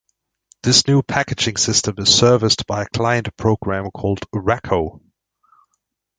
This new packaging system is serviced by a client program called raco.